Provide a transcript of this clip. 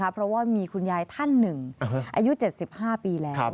เพราะว่ามีคุณยายท่านหนึ่งอายุ๗๕ปีแล้ว